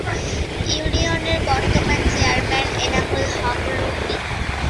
ইউনিয়নের বর্তমান চেয়ারম্যান এনামুল হক রুমি।